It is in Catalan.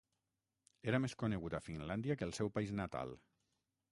Era més conegut a Finlàndia que al seu país natal.